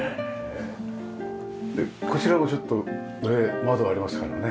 でこちらもちょっと上窓ありますからね。